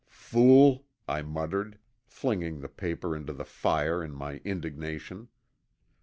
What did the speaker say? "Fool!" I muttered, flinging the paper into the fire in my indignation.